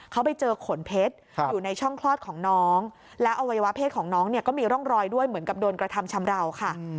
เขาไปเจอขนเพชรอยู่ในช่องคลอดของน้องแล้วอวัยวะเพศของน้องเนี่ยก็มีร่องรอยด้วยเหมือนกับโดนกระทำชำราวค่ะ